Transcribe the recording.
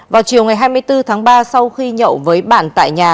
vào chiều ngày hai mươi bốn tháng ba sau khi nhậu với bạn tại nhà